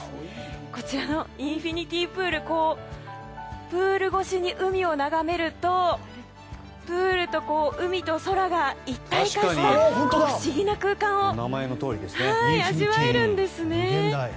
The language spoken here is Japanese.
こちらのインフィニティプールプール越しに海を眺めるとプールと海と空が一体化して不思議な空間を味わえるんですね。